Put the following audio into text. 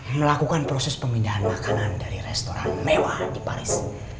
melakukan proses pemindahan makanan dari restoran mewah di paris